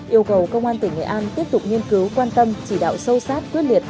yêu cầu công an tỉnh nghệ an tiếp tục nghiên cứu quan tâm chỉ đạo sâu sát quyết liệt